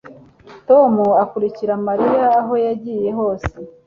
Tom akurikira Mariya aho yagiye hose